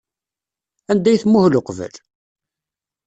Anda ay tmuhel uqbel?